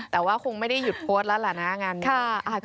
แต่ว่าคงไม่ได้หยุดโพสต์แล้วล่ะนะงานนี้